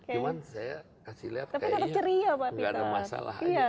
cuman saya kasih lihat kayaknya gak ada masalah aja